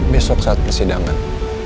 besok saat persidangan